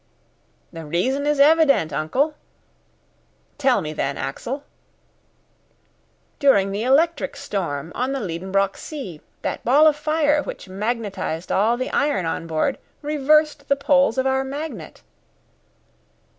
"The reason is evident, uncle." "Tell me, then, Axel." "During the electric storm on the Liedenbrock sea, that ball of fire, which magnetised all the iron on board, reversed the poles of our magnet!"